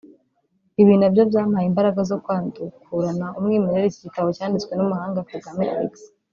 ibi na byo byampaye imbaraga zo kwandukurana umwimerere iki gitabo cyanditswe n’umuhanga Kagame Alexis